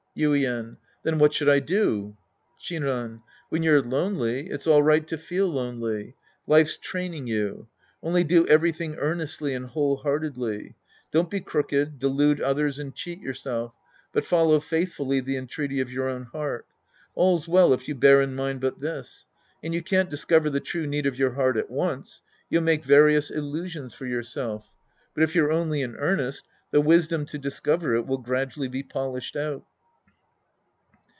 Yuien. Then what should I do ? Shinran. When you're lonely, it's all right to feel lonely. Life's training you. Only do everything earnestly and A\'hole heartedIy. Don't be crooked, delude others and cheat yourself, but follow faithfully the entreaty of your own heart. All's well if you bear in mind but this. And you can't discover the true used of your heart at once. You'll make various illusions for j^ourself. But if you're only in earnest, the wisdom to discover it will gradually be polished out.